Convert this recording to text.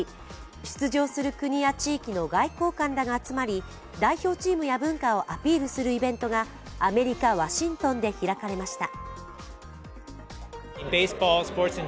出場する国や地域の外交官らが集まり、代表チームや文化をアピールするイベントがアメリカ・ワシントンで開かれました。